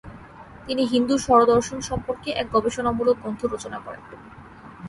তিনি হিন্দু ষড়দর্শন সম্পর্কে এক গবেষণামূলক গ্রন্থ রচনা করেন।